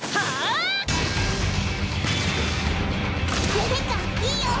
レベッカいいよ！